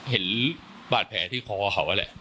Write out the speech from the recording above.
เห็นบาดแผลที่คอเขาแหละ